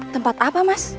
tempat apa mas